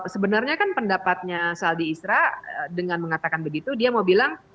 sebenarnya kan pendapatnya saldi isra dengan mengatakan begitu dia mau bilang